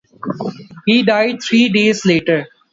He died three days later.